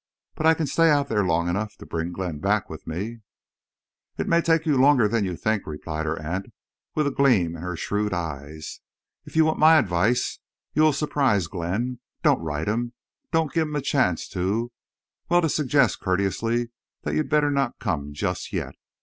But I can stay out there long enough to bring Glenn back with me." "That may take you longer than you think," replied her aunt, with a gleam in her shrewd eyes. "If you want my advice you will surprise Glenn. Don't write him—don't give him a chance to—well to suggest courteously that you'd better not come just yet.